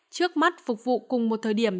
trước mắt phục vụ cùng một thời điểm